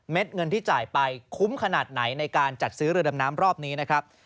เงินที่จ่ายไปคุ้มขนาดไหนในการจัดซื้อเรือดำน้ำรอบนี้นะครับ